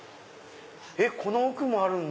この奥もあるんだ！